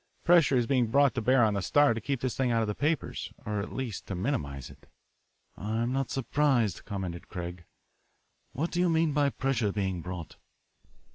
Pressure is being brought to bear on the Star to keep this thing out of the papers, or at least to minimise it." "I'm not surprised," commented Craig. "What do you mean by pressure being brought?"